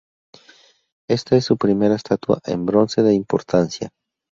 Esta es su primera estatua en bronce de importancia.